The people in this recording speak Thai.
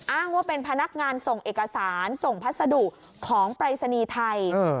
อ้างว่าเป็นพนักงานส่งเอกสารส่งพัสดุของปรายศนีย์ไทย